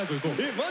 マジ？